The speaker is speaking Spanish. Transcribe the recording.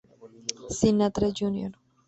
Sinatra Jr.